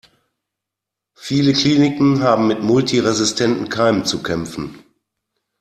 Viele Kliniken haben mit multiresistenten Keimen zu kämpfen.